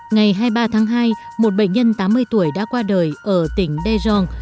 ngày hai mươi ba tháng hai một bệnh nhân tám mươi tuổi đã qua đời ở tỉnh daejeon